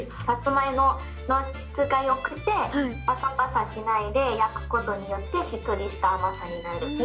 さつまいもの質がよくて、ぱさぱさしないで焼くことによって、しっとりした甘さになる。